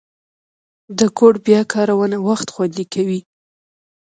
د کوډ بیا کارونه وخت خوندي کوي.